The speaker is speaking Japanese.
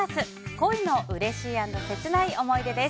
恋のうれしい＆切ない思い出です。